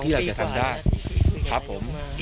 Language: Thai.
ที่เราจะทำได้